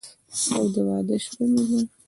او د واده شپه مې ده